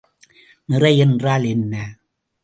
நிறை என்றால் என்ன?